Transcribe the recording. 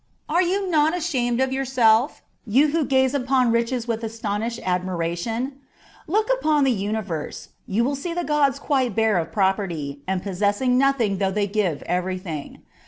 Are yon not ashamed of yourself, you who gaze upon riches with astonished admiration ? Look upon the universe : you will see the gods quite bare of property, and possessing nothing though they give everything.